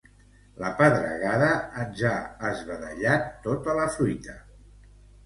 La pedregada ens ha esbadellat tota la fruita.